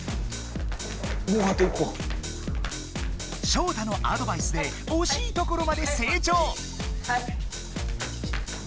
ショウタのアドバイスでおしいところまで成長。